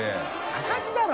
赤字だろ。